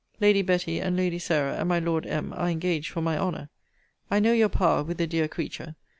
Lady Betty and Lady Sarah and my Lord M. are engaged for my honour. I know your power with the dear creature.